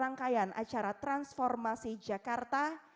rangkaian acara transformasi jakarta